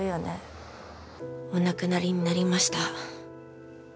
お亡くなりになりました。